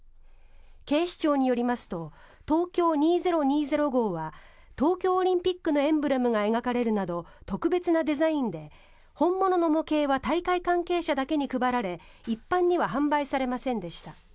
警視庁によりますとＴＯＫＹＯ２０２０号は東京オリンピックのエンブレムが描かれるなど特別なデザインで本物の模型は大会関係者だけに配られ一般には販売されませんでした。